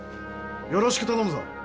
よろしく頼むぞ。